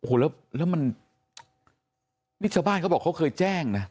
โอ้โหแล้วมันนิชบ้านเค้าบอกเค้าเคยแจ้งนะ